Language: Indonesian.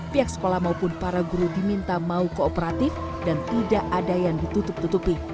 pihak sekolah maupun para guru diminta mau kooperatif dan tidak ada yang ditutup tutupi